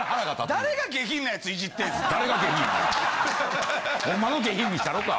誰が下品なやついじってんすか。